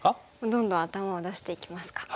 どんどん頭を出していきますか。